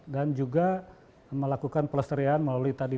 dan juga melakukan pelestarian melalui tadi